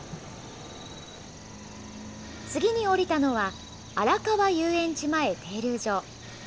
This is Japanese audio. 次に降りたのは、荒川遊園地前停留所。